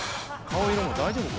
顔色も大丈夫？